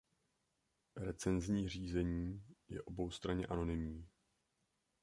Recenzní řízení je oboustranně anonymní.